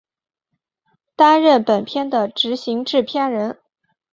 担任本片的执行制片人。